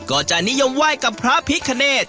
ก็จะนิยมไหว้กับพระพิคเนธ